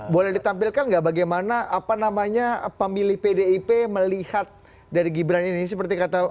boleh ditampilkan nggak bagaimana apa namanya pemilih pdip melihat dari gibran ini seperti kata